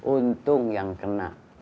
untung yang kena